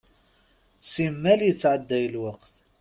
Simmal yettɛedday lweqt.